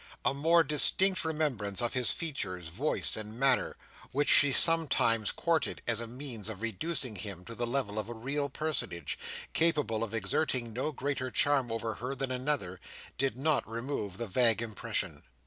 A more distinct remembrance of his features, voice, and manner: which she sometimes courted, as a means of reducing him to the level of a real personage, capable of exerting no greater charm over her than another: did not remove the vague impression.